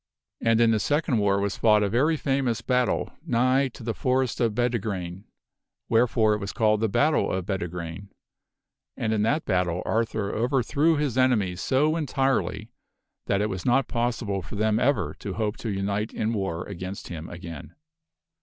And in the second war was fought a very famous battle nigh CONCLUSION _, 37 to the Forest of Bedegraine (wherefore it was called the Battle of Bede graine), and in that battle Arthur overthrew his enemies so entirely that it was not possible for them ever to hope to unite in war against him again.